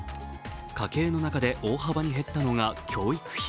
家計の中で大幅に減ったのが教育費。